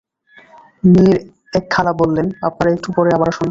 মেয়ের এক খালা বললেন, আপনারা একটু পরে আবার আসুন।